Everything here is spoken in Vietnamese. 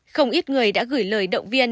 không ít người đã gửi lời động viên